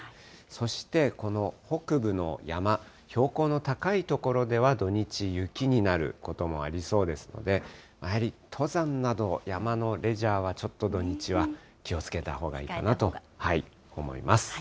そして、この北部の山、標高の高い所では土日、雪になることもありそうですので、やはり登山など、山のレジャーはちょっと土日は気をつけたほうがいいかなと思います。